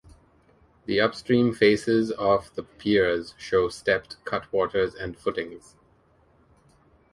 The upstream faces of the piers show stepped cutwaters and footings.